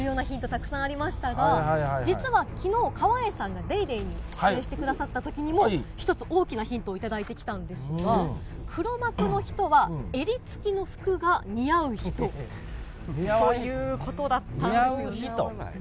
たくさんありましたが、実はきのう、川栄さんがＤａｙＤａｙ．に出演してくださったときにも、一つ大きなヒントを頂いてきたんですが、黒幕の人は、襟付きの服が似合う人。ということだったんですよ。